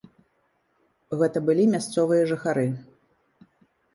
Гэта былі мясцовыя жыхары.